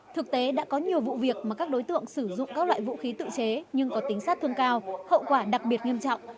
thực tế đã có nhiều vụ việc mà các đối tượng sử dụng các loại vũ khí tự chế nhưng có tính sát thương cao hậu quả đặc biệt nghiêm trọng